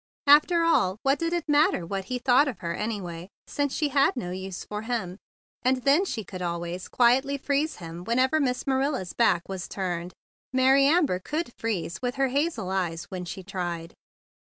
After all, what did it matter what he thought of her anyway, since she had no use for him? And then, she could always quietly THE BIG BLUE SOLDIER 13 freeze him whenever Miss Manila's back was turned. And Mary Amber could freeze with her hazel eyes when she tried.